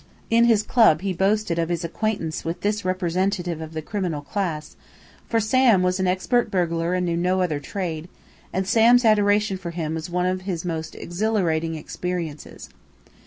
In his club he boasted of his acquaintance with this representative of the criminal classes for Sam was an expert burglar and knew no other trade and Sam's adoration for him was one of his most exhilarating experiences.